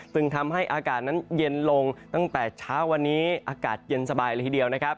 ซึ่งทำให้อากาศนั้นเย็นลงตั้งแต่เช้าวันนี้อากาศเย็นสบายเลยทีเดียวนะครับ